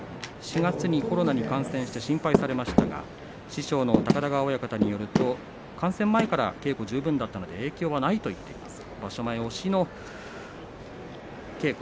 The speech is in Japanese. ４月にコロナに感染して心配されましたが師匠の高田川親方によると感染前から稽古十分だったので影響はないということです。